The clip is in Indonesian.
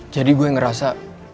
jadi gue ngerasa